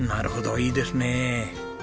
いいですね。